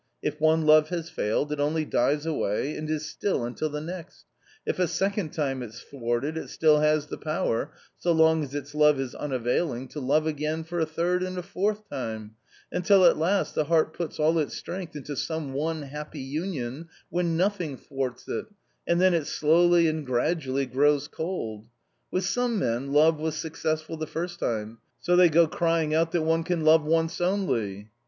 If one love has failed, it only dies away, and is still until the next ; if a second time it's thwarted, it still has the power, so long as its love is unavailing, to love again for a third and a fourth time, until at last the heart puts all its strength into some one happy union, when nothing thwarts it, and then it slowly and gradually grows cold. With some men love was success ful the first time, so they go crying out that one can love once only.